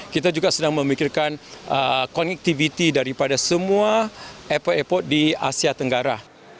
kita juga sedang memikirkan connectivity daripada semua epo air di asia tenggara